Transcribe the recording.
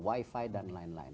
wifi dan lain lain